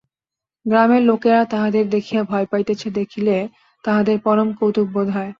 গ্রামের লোকেরা তাহাদের দেখিয়া ভয় পাইতেছে দেখিলে, তাহাদের পরম কৌতুক বোধ হয়।